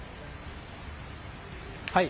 はい。